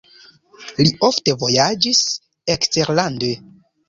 Li ofte vojaĝis eksterlande.